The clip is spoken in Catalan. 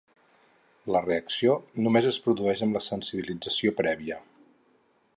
La reacció només es produeix amb la sensibilització prèvia.